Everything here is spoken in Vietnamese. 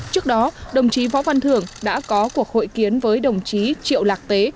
trước đó đồng chí võ văn thường đã có cuộc hội kiến với đồng chí triệu lạc tế